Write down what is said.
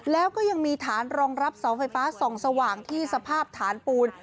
แล้วก็ยังมีฐานรองรับเสาไฟฟ้าส่องสว่างที่สภาพฐานปูน